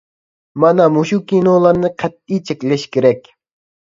مانا مۇشۇ كىنولارنى قەتئىي چەكلەش كېرەك.